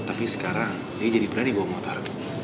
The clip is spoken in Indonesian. tapi sekarang dia jadi berani bawa motor